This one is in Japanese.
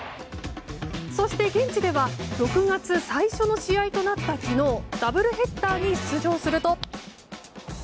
そして現地では６月最初の試合となった昨日ダブルヘッダーに出場すると。